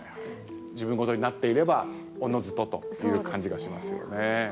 自分ごとになっていればおのずとという感じがしますよね。